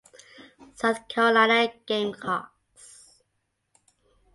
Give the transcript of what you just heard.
South Carolina Gamecocks